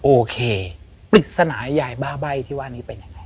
โอเคปริศนายายบ้าใบ้ที่ว่านี้เป็นยังไง